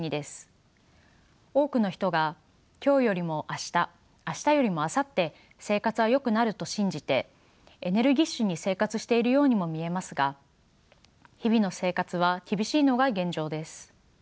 多くの人が今日よりも明日明日よりもあさって生活はよくなると信じてエネルギッシュに生活しているようにも見えますが日々の生活は厳しいのが現状です。